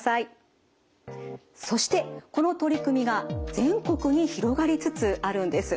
そしてこの取り組みが全国に広がりつつあるんです。